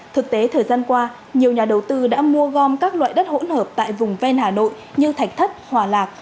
thực tế thời gian qua nhiều nhà đầu tư đã mua gom các loại đất hỗn hợp tại vùng ven hà nội như thạch thất hòa lạc